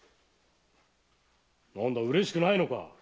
何だ嬉しくないのか？